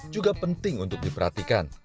juga penting untuk diperhatikan